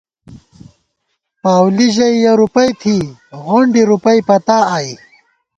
پاؤلی ژَئی یَہ رُوپَئ تھی، غونڈِی رُوپَئ پتا آئی